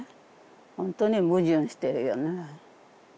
ほんとに矛盾してるよね。